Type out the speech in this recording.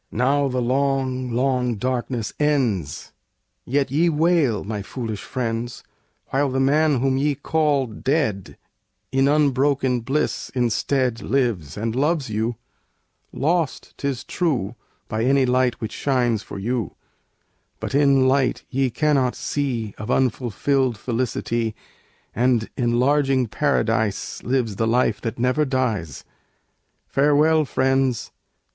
Now the long, long darkness ends. Yet ye wail, my foolish friends, While the man whom ye call "dead" In unbroken bliss instead Lives, and loves you: lost, 'tis true By any light which shines for you; But in light ye cannot see Of unfulfilled felicity, And enlarging Paradise; Lives the life that never dies. Farewell, friends!